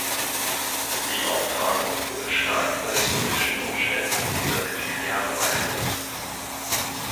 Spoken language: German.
Die Austragung wurde stark von den politischen Umständen dieser Kriegsjahre beeinflusst.